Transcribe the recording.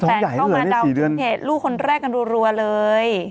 เข้ามาเดาเพจลูกคนแรกกันรัวเลย